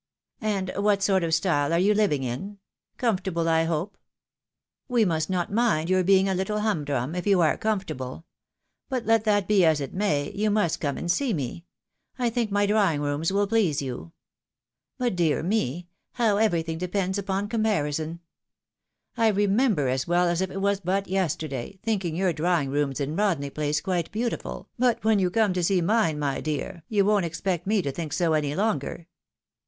" And what sort of style are you all living in ? comfortable, I hope ? We must not mind your being a little humdrum, if 312 THE WIDOW MAREIF.D. you are comfortable ; but let that be as it may, you must come and see me ; I thinlii; my drawing rooms will please you. But, dear me ! how everything depends upon comparison ! I re member as well as if it was but yesterday, thinking your draw ing rooms in Rodney place quite beautiful, but when you come to see mine, my dear, you won't expect me to think so any longer.